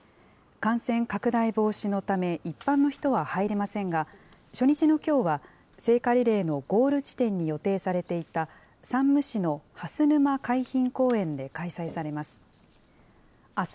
感染拡大防止のため、一般の人は入れませんが、初日のきょうは、聖火リレーのゴール地点に予定されていた、山武市の蓮沼海浜公園で開催されます。